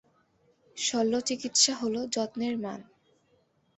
শল্যচিকিৎসা হল যত্নের মান।